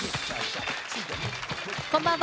こんばんは。